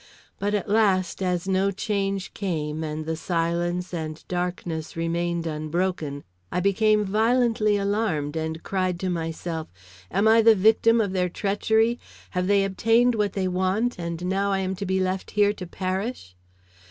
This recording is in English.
But at last, as no change came and the silence and darkness remained unbroken, I became violently alarmed and cried to myself: "Am I the victim of their treachery? Have they obtained what they want and now am I to be left here to perish?"